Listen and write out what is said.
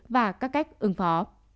và các cách ứng phó